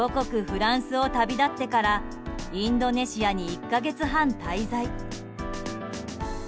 フランスを旅立ってからインドネシアに１か月半、滞在。